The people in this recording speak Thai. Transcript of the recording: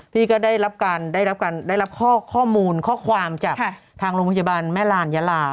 พี่ก็ได้รับข้อมูลข้อความจากทางโรงพยาบาลแม่ร่านยะลา